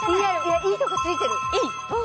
いいとこ突いてる！